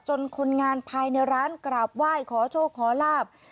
คนงานภายในร้านกราบไหว้ขอโชคขอลาบ